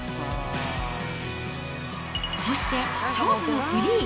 そして勝負のフリー。